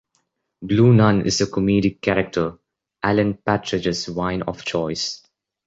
Blue Nun is comedy character Alan Partridge's wine of choice.